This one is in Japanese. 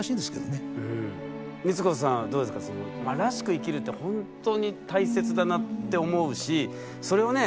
生きるってほんとに大切だなって思うしそれをね